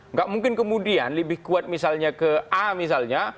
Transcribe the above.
nggak mungkin kemudian lebih kuat misalnya ke a misalnya